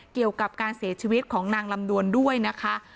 เกี่ยวกับการเสียชีวิตของนางลำดวนด้วยนะคะ